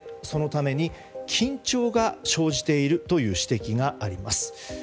軍との間で、そのために緊張が生じているという指摘があります。